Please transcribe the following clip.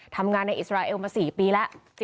ทำงานในอิสราเอลมา๔ปีแล้ว